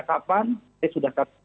kapan saya sudah kasih